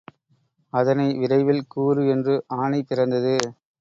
அதனை விரைவில் கூறு என்று ஆணை பிறந்தது.